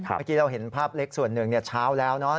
เมื่อกี้เราเห็นภาพเล็กส่วนหนึ่งเช้าแล้วเนอะ